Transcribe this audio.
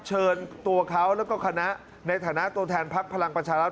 เชิญตัวเขาแล้วก็คณะในฐานะตัวแทนพักพลังประชารัฐ